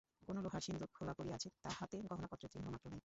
কোণে লোহার সিন্দুক খোলা পড়িয়া আছে, তাহাতে গহনাপত্রের চিহ্নমাত্র নাই।